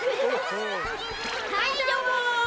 はいどうも。